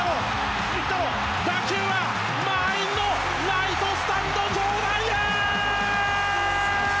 打球は満員のライトスタンド上段へ。